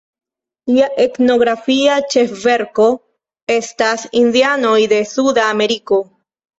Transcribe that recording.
Lia etnografia ĉefverko estas Indianoj de Suda Ameriko.